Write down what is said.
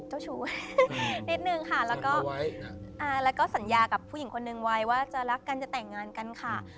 เจ้าชู้นิดนึงค่ะแล้วก็สัญญากับผู้หญิงคนนึงไว้ว่าจะรักกันจะแต่งงานกันค่ะ